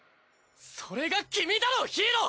それが君だろヒイロ！